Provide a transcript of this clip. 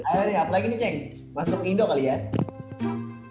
masuk indo kali ya